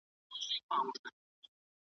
وخت ډېر تېز روان دی.